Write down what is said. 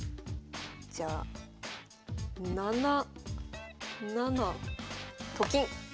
じゃあ７七と金。